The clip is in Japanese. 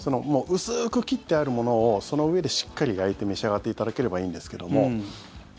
薄く切ってあるものをそのうえで、しっかり焼いて召し上がっていただければいいんですけども。